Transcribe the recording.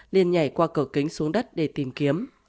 liên nhảy qua cửa kính xuống đất để tìm kiếm